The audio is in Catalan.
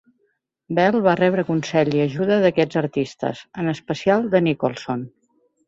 Bell va rebre consell i ajuda d'aquests artistes, en especial de Nicholson.